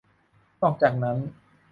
นอกจากนั้น